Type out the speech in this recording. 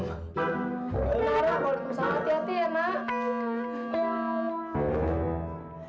alah walaupun sangat hati hati ya nak